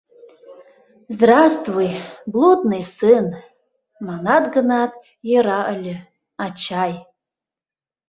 Здравствуй, блудный сын, манат гынат, йӧра ыле, ачай!